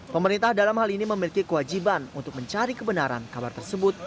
pemerintah dalam hal ini memiliki kewajiban untuk mencari kebenaran kabar tersebut